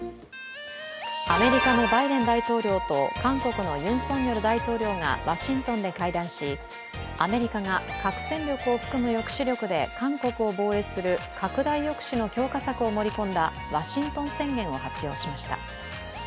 アメリカのバイデン大統領と韓国のユン・ソンニョル大統領がワシントンで会談しアメリカが核戦力を含む抑止力で韓国を防衛する拡大抑止の強化策を盛り込んだワシントン宣言を発表しました。